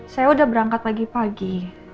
saya udah berangkat pagi pagi